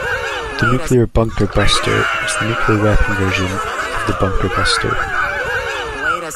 The nuclear bunker buster is the nuclear weapon version of the bunker buster.